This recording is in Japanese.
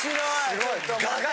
すごい。